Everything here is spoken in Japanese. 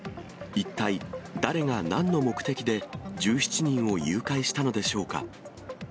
一体、誰がなんの目的で１７人を誘拐したのでしょうか。